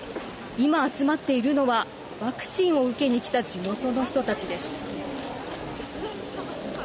今集まっているのはワクチンを受けに来た地元の人たちです。